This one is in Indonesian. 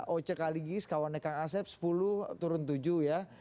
oce kaligis kawannya kang asep sepuluh turun tujuh ya